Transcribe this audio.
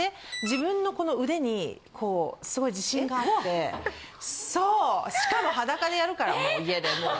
自分のこの腕にすごい自信があってそうしかも裸でやるからもう家でもう。